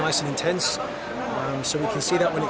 tapi kami ingin bisa menggabungkannya